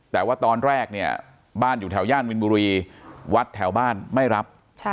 แต่ว่าตอนแรกเนี่ยบ้านอยู่แถวย่านมินบุรีวัดแถวบ้านไม่รับ